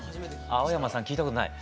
青山さん聞いたことない。